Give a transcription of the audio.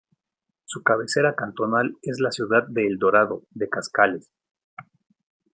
Su cabecera cantonal es la ciudad de El Dorado de Cascales.